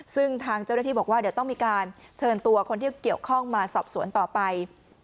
ซึ่งทางเจ้าหน้าที่บอกว่าเดี๋ยวต้องมีการเชิญตัวคนที่เกี่ยวข้องมาสอบสวนต่อไป